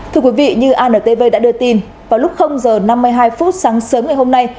thưa quý vị như antv đã đưa tin vào lúc h năm mươi hai phút sáng sớm ngày hôm nay